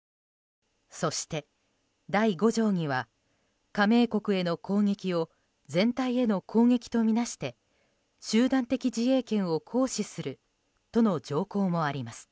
そして、第５条には加盟国への攻撃を全体への攻撃とみなして集団的自衛権を行使するとの条項もあります。